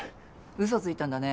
うそついたんだね